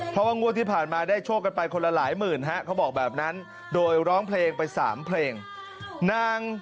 เพราะว่างวดที่ผ่านมาได้โชคกันไปคนละหลายหมื่นฮะเขาบอกแบบนั้นโดยร้องเพลงไป๓เพลงนาง